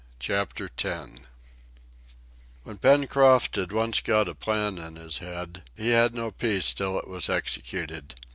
Chapter 10 When Pencroft had once got a plan in his head, he had no peace till it was executed.